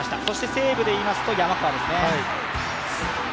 西武でいいますと山川ですね。